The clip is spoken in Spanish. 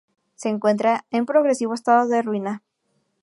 Se encuentra en progresivo estado de ruina.